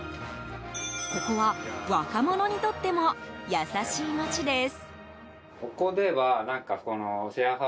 ここは、若者にとっても優しい町です。